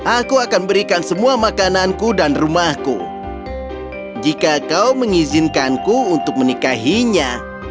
aku akan berikan semua makananku dan rumahku jika kau mengizinkanku untuk menikahinya